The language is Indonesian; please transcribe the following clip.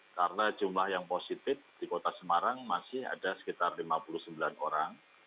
karena jumlah yang positif di kota semarang masih ada sekitar lima puluh sembilan orang